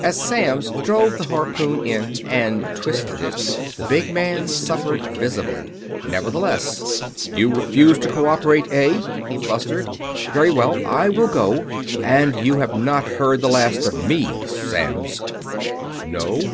As Samms drove the harpoon in and twisted it, the big man suffered visibly. Nevertheless: "You refuse to cooperate, eh?" he blustered. "Very well, I will go but you have not heard the last of me, Samms!" "No?